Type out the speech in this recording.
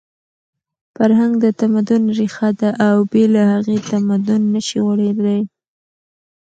فرهنګ د تمدن ریښه ده او بې له هغې تمدن نشي غوړېدی.